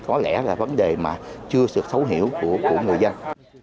có lẽ là vấn đề mà chưa sự thấu hiểu của người dân